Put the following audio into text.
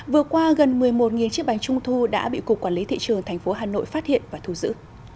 vừa qua gần một mươi một chiếc bánh trung thu đã bị cục quản lý thị trường thành phố hà nội phát hiện và thu giữ